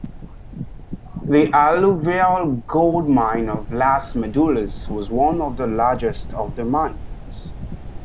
The alluvial gold-mine of Las Medulas was one of the largest of their mines.